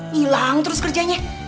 hilang terus kerjanya